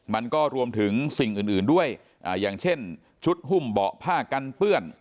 มันก็รวมถึงสิ่งอื่นด้วยอย่างเช่นชุดหุ้มเบาะผ้ากันเปื้อน